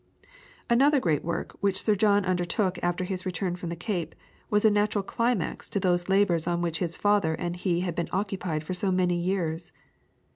Another great work which Sir John undertook after his return from the Cape, was a natural climax to those labours on which his father and he had been occupied for so many years.